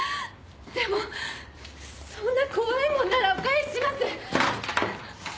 でもそんな怖いもんならお返しします。